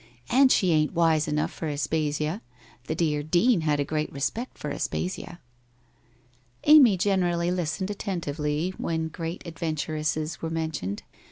And she ain't wise enough for Aspasia. The dear Dean had a great respect for Aspasia/ Amy generally listened attentively when great adven turesses were mentioned.